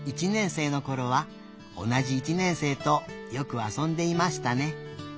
「１年生のころは同じ１年生とよく遊んでいましたね。